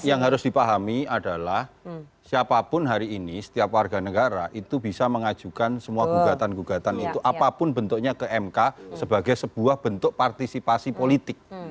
yang harus dipahami adalah siapapun hari ini setiap warga negara itu bisa mengajukan semua gugatan gugatan itu apapun bentuknya ke mk sebagai sebuah bentuk partisipasi politik